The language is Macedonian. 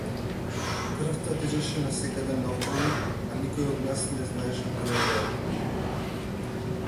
Крвта течеше насекаде наоколу, а никој од нас не знаеше од каде доаѓа.